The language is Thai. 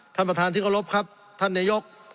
ท่านประธานที่เคารพครับท่านนายก